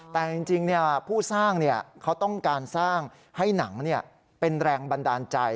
แต่จริงผู้สร้างเขาต้องการสร้างให้หนังเป็นแรงบันดาลใจ